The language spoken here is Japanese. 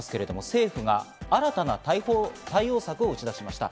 政府が新たな対応策を打ち出しました。